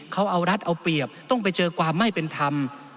เขาเอารัฐเอาเปรียบต้องไปเจอความไม่เป็นธรรม